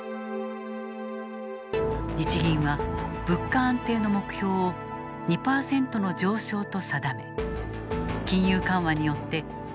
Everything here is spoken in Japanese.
日銀は物価安定の目標を２％の上昇と定め金融緩和によってできるだけ早期に実現する。